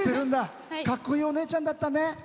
かっこいいお姉ちゃんだったね。